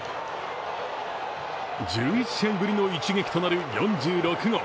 １１試合ぶりの一撃となる４６号。